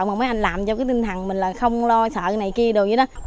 mà mấy anh làm cho cái tinh thần mình là không lo sợ cái này kia đồ như đó